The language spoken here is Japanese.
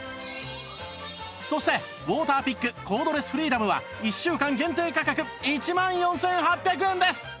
そしてウォーターピックコードレスフリーダムは１週間限定価格１万４８００円です！